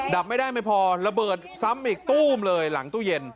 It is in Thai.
ดับไม่ได้ไม่พอระเบิดซ้ำอีกตู้มเลยหลังตู้เย็น